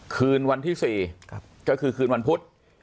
คืนวันที่๔ก็คือคืนวันพุธ